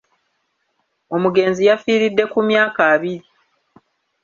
Omugenzi yafiiridde ku myaka abiri.